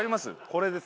これです。